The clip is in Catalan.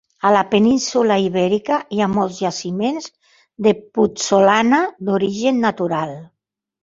A la península Ibèrica hi ha molts jaciments de putzolana d'origen natural.